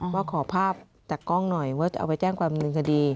ว่าขอภาพจากกล้องหน่อยว่าเอาไปแจ้งความหนึ่งคดี